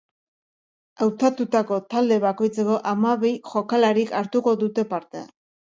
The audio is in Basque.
Hautatutako talde bakoitzeko hamabi jokalarik hartuko dute parte.